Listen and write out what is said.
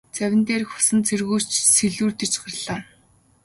Завин дээрх усан цэргүүд ч сэлүүрдэж гарлаа.